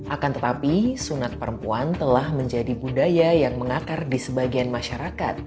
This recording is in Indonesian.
akan tetapi sunat perempuan telah menjadi budaya yang mengakar di sebagian masyarakat